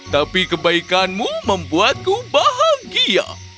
tapi kebaikanmu membuatku bahagia